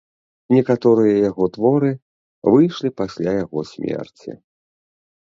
Некаторыя яго творы выйшлі пасля яго смерці.